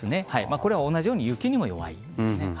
これは同じように雪にも弱いんですね。